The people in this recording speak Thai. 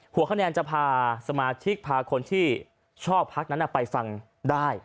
หัวคะแนนจะพาสมาชิกพาคนที่ชอบพักนั้นไปฟังได้